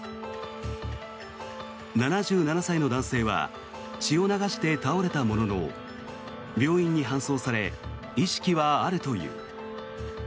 ７７歳の男性は血を流して倒れたものの病院に搬送され意識はあるという。